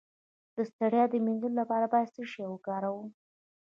د ستړیا د مینځلو لپاره باید څه شی وکاروم؟